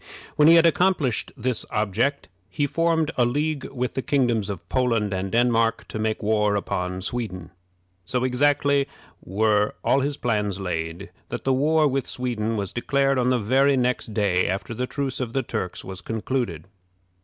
When he had accomplished this object, he formed a league with the kingdoms of Poland and Denmark to make war upon Sweden. So exactly were all his plans laid, that the war with Sweden was declared on the very next day after the truce of the Turks was concluded.